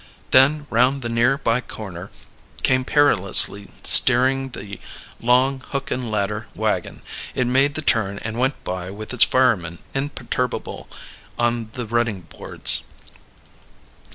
Then, round the near by corner, came perilously steering the long "hook and ladder wagon"; it made the turn and went by, with its firemen imperturbable on the running boards.